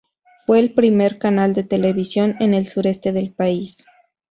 Fue el primer canal de televisión en el sureste del país.